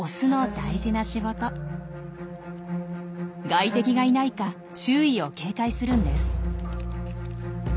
外敵がいないか周囲を警戒するんです。